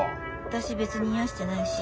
私別に癒やしてないし。